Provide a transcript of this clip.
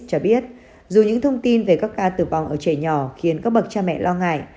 cho biết dù những thông tin về các ca tử vong ở trẻ nhỏ khiến các bậc cha mẹ lo ngại